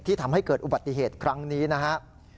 ทำให้เกิดอุบัติเหตุครั้งนี้นะครับ